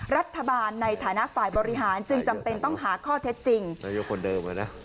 รัฐบาลในฐานะฝ่ายบริหารจึงจำเป็นต้องหาข้อเท็จจริงนายกคนเดิมเลยนะ